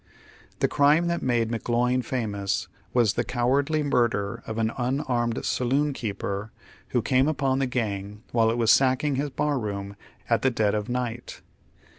The crime that made McGloin famous was the coward ly murder of an nnarmed saloonkeeper who came upon the gang while it was sacking his bar room at the dead of night.